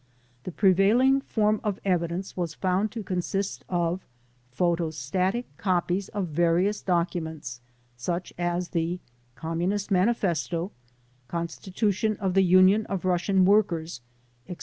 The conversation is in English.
The prevailing form of evidence was found to consist of photostatic copies of various documents such as the Communist Manifesto, Constitution of the Union of Russian Workers, etc.